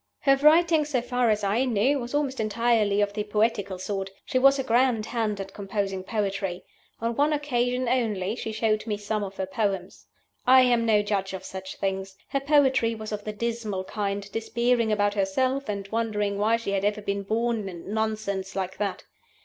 "Her writing, so far as I knew, was almost entirely of the poetical sort. She was a great hand at composing poetry. On one occasion only she showed me some of her poems. I am no judge of such things. Her poetry was of the dismal kind, despairing about herself, and wondering why she had ever been born, and nonsense like that.